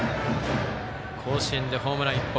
甲子園でホームラン１本。